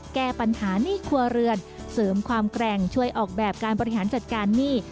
แก้ปัญหาหนี้ครัวเรือนเสริมความแกร่งช่วยออกแบบการบริหารจัดการหนี้